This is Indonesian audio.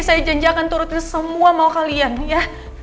saya janji akan turutin semua mau kalian ya